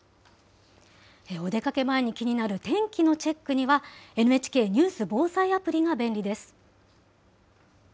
お出かけ前に気になる天気のチェックには、ＮＨＫニュース・防災アプリが便利です。